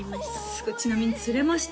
すごいちなみに釣れました？